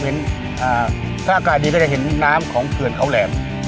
ท่าอากาศดีก็จะเห็นน้ำของเขื่อนเขาแหลม